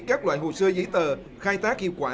các loại hồ sơ giấy tờ khai tác hiệu quả